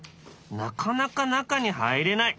なかなか中に入れない。